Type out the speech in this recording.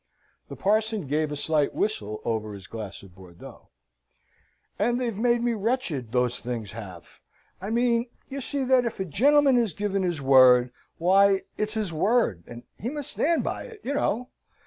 The parson gave a slight whistle over his glass of Bordeaux. "And they've made me wretched, those things have. I mean, you see, that if a gentleman has given his word, why, it's his word, and he must stand by it, you know.